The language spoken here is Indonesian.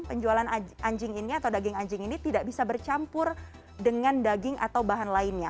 penjualan anjing ini atau daging anjing ini tidak bisa bercampur dengan daging atau bahan lainnya